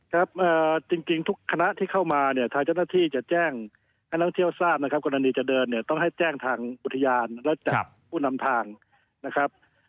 ครับจริงทุกคณะที่เข้ามาเนี่ยทางเจ้าหน้าที่จะแจ้งให้นักท่องเที่ยวทราบนะครับกรณีจะเดินเนี่ยต้องให้แจ้งทางอุทยานและจับผู้นำทางนะครับ